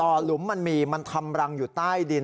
หลุมมันมีมันทำรังอยู่ใต้ดิน